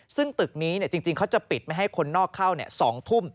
ซึ่งตึกนี้จริงเขาจะปิดไม่ให้คนนอกเข้า๒ทุ่ม